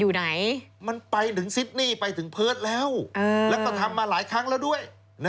อยู่ไหนมันไปถึงซิดนี่ไปถึงเพิร์ตแล้วแล้วก็ทำมาหลายครั้งแล้วด้วย